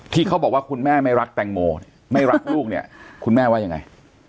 ที่เขาบอกว่าคุณแม่ไม่รักแตงโมไม่รักลูกเนี่ยคุณแม่ว่ายังไง